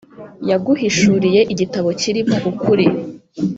yaguhishuriye igitabo kirimo ukuri